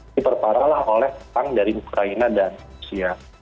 ini perparalah oleh pang dari ukraina dan rusia